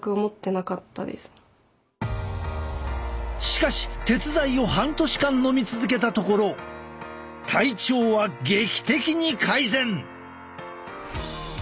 しかし鉄剤を半年間のみ続けたところ体調は劇的に改善！